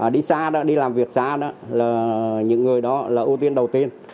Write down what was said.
đi xa đi làm việc xa đó là những người đó là ưu tiên đầu tiên